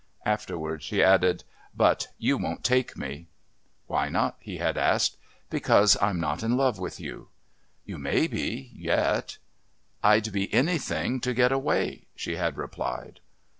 Afterwards she added: "But you won't take me." "Why not?" he had asked. "Because I'm not in love with you." "You may be yet." "I'd be anything to get away," she had replied.